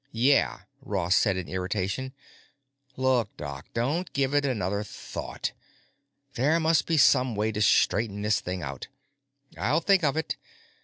"Yeah," Ross said in irritation. "Look, Doc, don't give it another thought. There must be some way to straighten this thing out; I'll think of it.